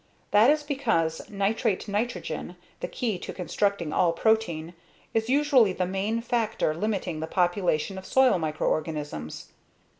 That is because nitrate nitrogen, the key to constructing all protein, is usually the main factor limiting the population of soil microorganisms.